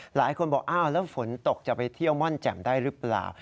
หลายคนบอกอ้าวแล้วฝนตกจะไปเที่ยวม่อนแจ่มได้หรือเปล่า